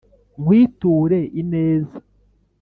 nkwiture ineza!